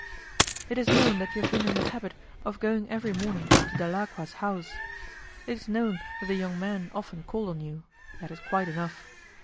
"It is known, that you have been in the habit of going every morning to Dalacqua's house; it is known that the young man often called on you; that is quite enough.